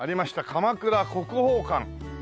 「鎌倉国宝館」。